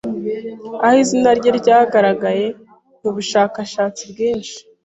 aho izina rye ryagaragaye mu bushakashatsi bwinshi